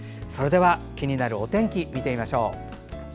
気になるお天気、見てみましょう。